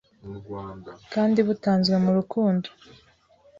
kandi butanzwe mu rukundo